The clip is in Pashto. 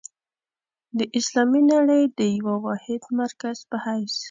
د اسلامي نړۍ د یوه واحد مرکز په حیث.